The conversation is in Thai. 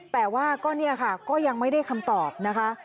แต่ว่าก็เนี่ยค่ะก็ยังไม่ได้คำตอบนะคะ